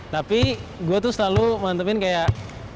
tapi gue tuh selalu mantepin kayak